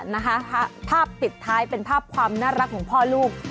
นะคะภาพปิดท้ายเป็นภาพความน่ารักของพ่อลูก